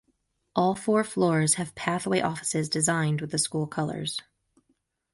All four floors have pathway offices designed with the school colors.